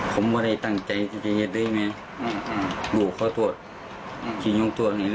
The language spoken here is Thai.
เขององร